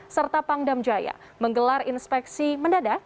serta pangdam jaya menggelar inspeksi mendadak